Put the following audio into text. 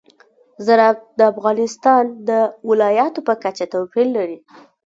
زراعت د افغانستان د ولایاتو په کچه توپیر لري.